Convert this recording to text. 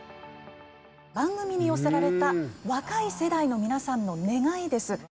番組に寄せられた若い世代の皆さんの願いです。